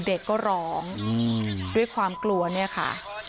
เด็กก็ร้องด้วยความกลัวเนี่ยค่ะ